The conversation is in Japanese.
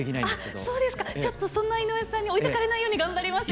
ちょっとそんな井上さんに置いてかれないように頑張ります。